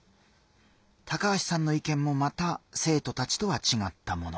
高橋さんの意見もまた生徒たちとは違ったもの。